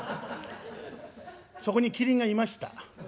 そこにキリンがいました。